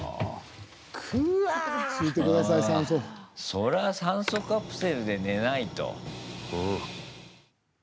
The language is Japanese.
それは、酸素カプセルで寝ないと。